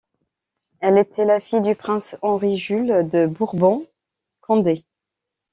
Elle était la fille du prince Henri-Jules de Bourbon-Condé.